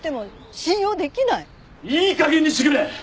いい加減にしてくれ！